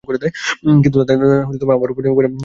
কিন্তু তাতে আমার উপরে ভারি টানাটানি পড়বে।